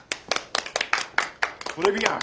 トレビアン。